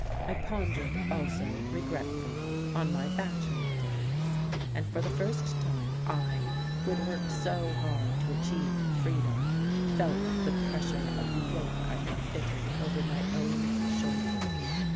I pondered also, regretfully, on my bachelor days. And for the first time, I, who had worked so hard to achieve freedom, felt the pressure of the yoke I had fitted over my own shoulders.